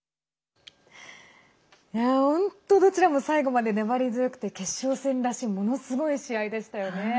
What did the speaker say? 本当、どちらも最後まで粘り強くて、決勝戦らしいものすごい試合でしたよね。